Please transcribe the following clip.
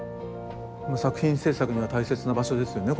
作品制作には大切な場所ですよね